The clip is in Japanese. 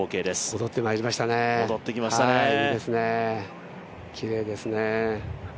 戻ってまいりましたね、いいですね、きれいですね。